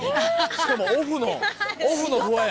しかもオフのオフのフワや。